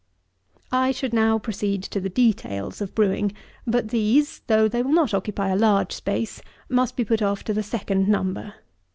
34. I should now proceed to the details of brewing; but these, though they will not occupy a large space, must be put off to the second number.